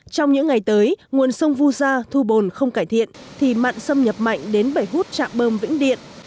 trong những ngày tới nguồn sông vu gia thu bồn không cải thiện thì mặn xâm nhập mạnh đến bể hút trạm bơm vĩnh điện